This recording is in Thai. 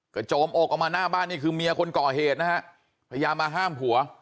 โจมอกออกมาหน้าบ้านนี่คือเมียคนก่อเหตุนะฮะพยายามมาห้ามผัว